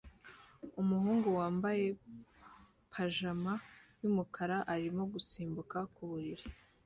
Umuhungu wambaye pajama yumukara arimo gusimbuka ku buriri